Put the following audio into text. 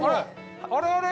あれあれ？